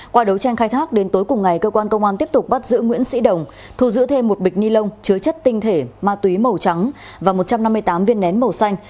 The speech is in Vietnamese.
qua đấu tranh khai thác đến tối cùng ngày cơ quan công an tiếp tục bắt giữ nguyễn sĩ đồng thu giữ thêm một bịch ni lông chứa chất tinh thể ma túy màu trắng và một trăm năm mươi tám viên nén màu xanh